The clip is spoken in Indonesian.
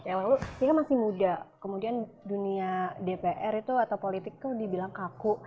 ya mbak lu dia kan masih muda kemudian dunia dpr itu atau politik itu dibilang kaku